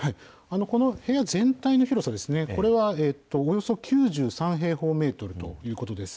この部屋全体の広さですね、これはおよそ９３平方メートルということです。